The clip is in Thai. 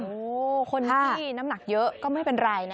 โอ้โหคนที่น้ำหนักเยอะก็ไม่เป็นไรนะ